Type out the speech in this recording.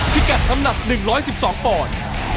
ที่แก่น้ำหนัด๑๑๒ปอนด์